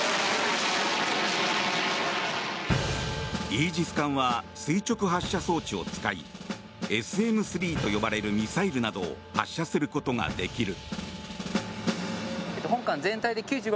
イージス艦は垂直発射装置を使いＳＭ３と呼ばれるミサイルなどを発射することができる。